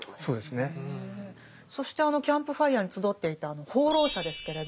そしてあのキャンプファイヤーに集っていた放浪者ですけれど。